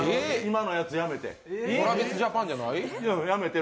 ＴｒａｖｉｓＪａｐａｎじゃなくて？